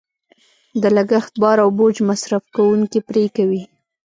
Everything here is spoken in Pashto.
د لګښت بار او بوج مصرف کوونکې پرې کوي.